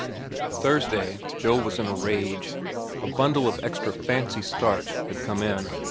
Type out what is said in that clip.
Thursday, Joe was in a rage. A bundle of extra "fancy starch" had come in.